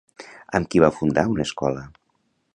Amb qui va fundar una escola?